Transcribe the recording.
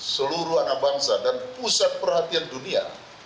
seluruh anak bangsa dan pusat perhatian dunia